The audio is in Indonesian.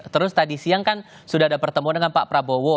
terus tadi siang kan sudah ada pertemuan dengan pak prabowo